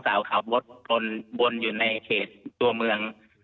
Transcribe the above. ท่านเขาขอพบวนอยู่ในตัวเมือง